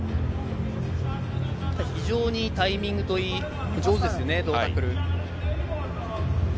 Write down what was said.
非常にタイミングといい、上手ですよね、胴タックル。